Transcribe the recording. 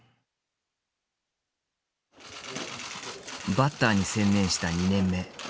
バッターに専念した２年目。